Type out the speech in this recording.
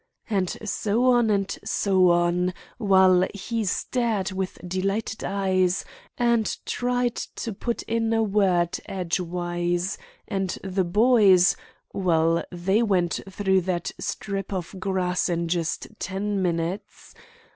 and so on, and so on, while he stared with delighted eyes, and tried to put in a word edgewise, and the boys—well, they went through that strip of grass in just ten minutes.